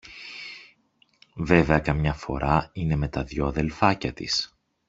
Βέβαια καμιά φορά είναι με τα δυο αδελφάκια της